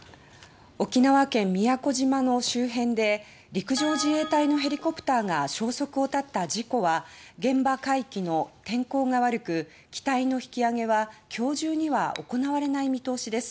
沖縄県・宮古島の周辺で陸上自衛隊のヘリコプターが消息を絶った事故は現場海域の天候が悪く機体の引き揚げは今日中には行われない見通しです。